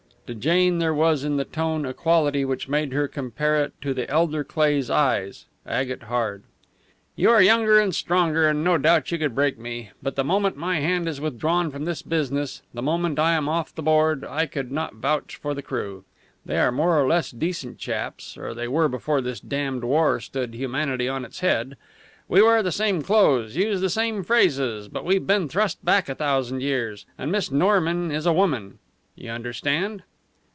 To Jane there was in the tone a quality which made her compare it with the elder Cleigh's eyes agate hard. "You are younger and stronger, and no doubt you could break me. But the moment my hand is withdrawn from this business the moment I am off the board I could not vouch for the crew. They are more or less decent chaps, or they were before this damned war stood humanity on its head. We wear the same clothes, use the same phrases; but we've been thrust back a thousand years. And Miss Norman is a woman. You understand?"